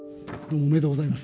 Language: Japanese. おめでとうございます。